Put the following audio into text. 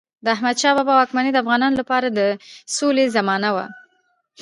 د احمدشاه بابا واکمني د افغانانو لپاره د سولې زمانه وه.